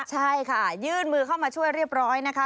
ใช่ค่ะยื่นมือเข้ามาช่วยเรียบร้อยนะคะ